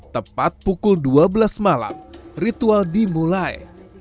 tepat pukul dua belas malam ritual dimulai